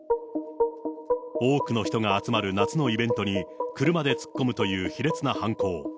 多くの人が集まる夏のイベントに車で突っ込むという卑劣な犯行。